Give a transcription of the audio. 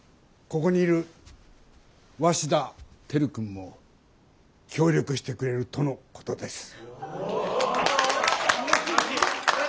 ここにいる鷲田照君も協力してくれるとのことです。